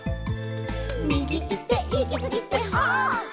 「みぎいっていきすぎてはっ」